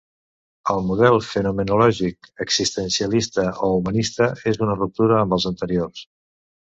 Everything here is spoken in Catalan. El model fenomenològic, existencialista o humanista és una ruptura amb els anteriors.